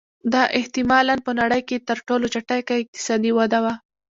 دا احتما لا په نړۍ کې تر ټولو چټکه اقتصادي وده وه